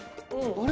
あれ？